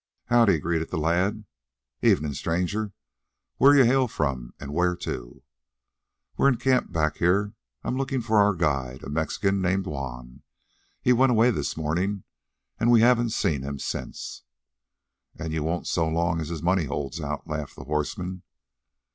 "Howdy," greeted the lad. "Evening, stranger. Where you hail from and where to?" "We're in camp back here. I'm looking for our guide, a Mexican named Juan. He went away this morning and we haven't seen him since." "And you won't so long as his money holds out," laughed the horseman.